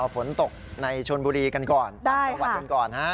ผลตกในชนบุรีกันก่อนประวัติกันก่อน